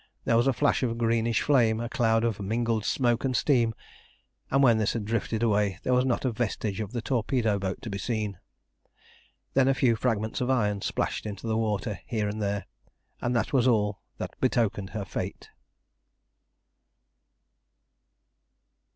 There was a flash of greenish flame, a cloud of mingled smoke and steam, and when this had drifted away there was not a vestige of the torpedo boat to be seen. Then a few fragments of iron splashed into the water here and there, and that was all that betokened her fate.